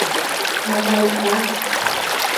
Могай, а?